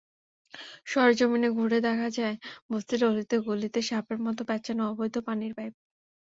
সরেজমিন ঘুরে দেখা যায়, বস্তির অলিতে-গলিতে সাপের মতো প্যাঁচানো অবৈধ পানির পাইপ।